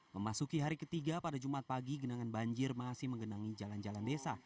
memasuki hari ketiga pada jumat pagi genangan banjir masih menggenangi jalan jalan desa